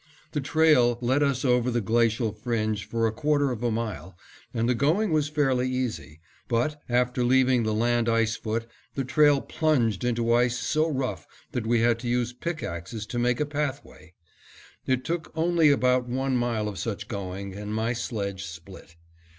The trail led us over the glacial fringe for a quarter of a mile, and the going was fairly easy, but, after leaving the land ice foot, the trail plunged into ice so rough that we had to use pickaxes to make a pathway. It took only about one mile of such going, and my sledge split.